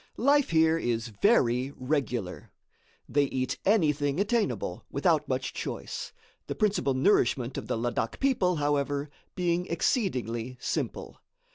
Life here is very regular. They eat anything attainable, without much choice; the principal nourishment of the Ladak people, however, being exceedingly simple.